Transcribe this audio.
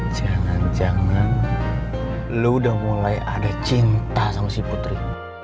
jangan jangan lo udah mulai ada cinta sama si putri